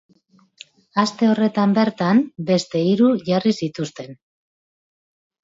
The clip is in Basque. Aste horretan bertan, beste hiru jarri zituzten.